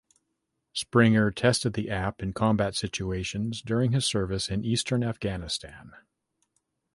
Springer tested the app in combat situations during his service in eastern Afghanistan.